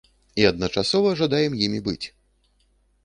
І адначасова жадаем імі быць.